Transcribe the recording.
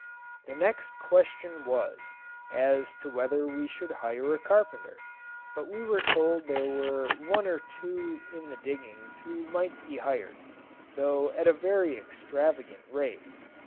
The next question was, as to whether we should hire a carpenter. We were told there were one or two in the diggings who might be hired, though at a very extravagant rate.